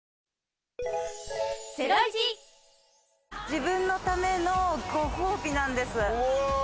自分のためのご褒美なんです。